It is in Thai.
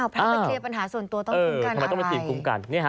พระเจ้าร์เคลียร์ปัญหาส่วนตัวต้องคุ้มกันอะไร